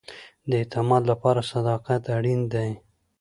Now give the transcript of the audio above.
د اعتماد لپاره صداقت اړین دی